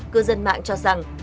cư dân mạng cho rằng